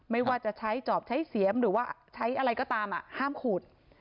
ไม่ว่าจะใช้จอบใช้เสียมหรือว่าใช้อะไรก็ตามห้ามขูด